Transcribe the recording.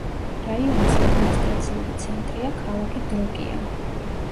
რაიონის ადმინისტრაციული ცენტრია ქალაქი დროკია.